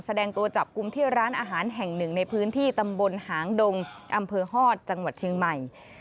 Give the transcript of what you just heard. แสดงตัวจับกลุ่มที่ร้านอาหารแห่งหนึ่งในพื้นที่ตำบลหางดงอำเภอฮอตจังหวัดเชียงใหม่